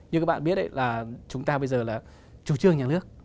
như các bạn biết đấy là chúng ta bây giờ là chủ trương nhà nước